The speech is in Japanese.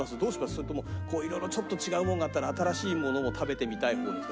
それとも色々ちょっと違うものがあったら新しいものを食べてみたい方ですか？